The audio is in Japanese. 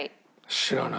知らない。